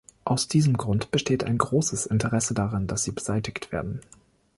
Aus diesem Grunde besteht ein großes Interesse daran, dass sie beseitigt werden.